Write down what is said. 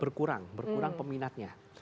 berkurang berkurang peminatnya